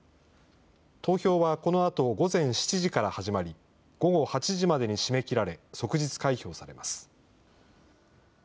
投票はこのあと午前７時から始まり、午後８時までに締め切られ、即日開票されます。